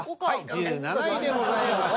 １７位でございました。